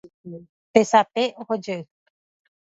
Tesape ohojey